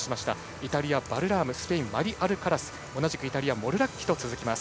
イタリア、バルラームスペインのマリアルカラスそしてイタリアのモルラッキと続きます。